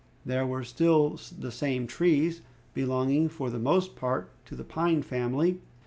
There were still the same trees, belonging, for the most part, to the pine family.